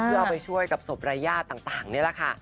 เอาไปช่วยกับศพรายาทต่างเนี้ยแหละค่ะ